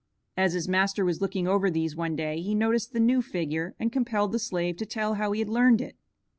As his master was looking over these one day, he noticed the new figure and compelled the slave to tell how he had learned it.